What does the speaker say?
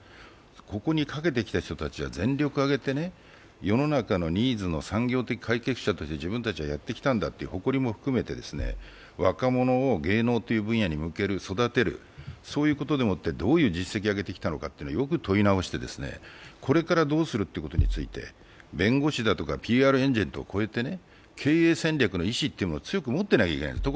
ここにかけてきた人たちは全力を挙げて、世の中のニーズの産業的解決者として自分たちはやってきたんだということで若者を芸能という分野に向ける、育てる、どういう実績をあげてきたのかこれからどうするってことについて弁護士だとかＰＲエージェントを超えて経営戦略の意思というものを強く持ってないといけないんです。